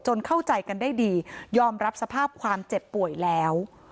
เข้าใจกันได้ดียอมรับสภาพความเจ็บป่วยแล้ว